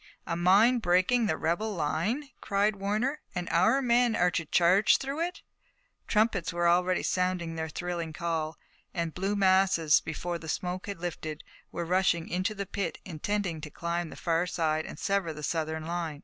"A mine breaking the rebel line!" cried Warner, "and our men are to charge through it!" Trumpets were already sounding their thrilling call, and blue masses, before the smoke had lifted, were rushing into the pit, intending to climb the far side and sever the Southern line.